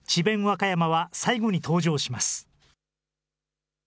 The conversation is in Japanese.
和歌山は最後に登場します。